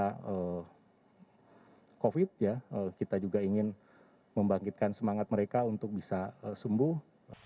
karena covid ya kita juga ingin membangkitkan semangat mereka untuk bisa sembuh